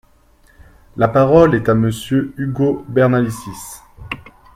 La parole est à Monsieur Ugo Bernalicis.